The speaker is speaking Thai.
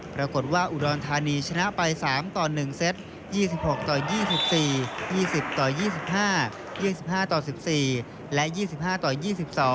ปรากฏว่าอุดรธานีชนะไป๓๑